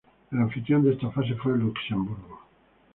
El anfitrión de esta fase fue Luxemburgo